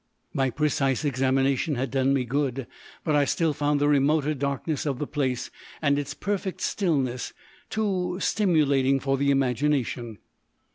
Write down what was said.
My precise examination had done me good, but I still found the remoter darkness of the place, and its perfect stillness, too stimulating for the imagination.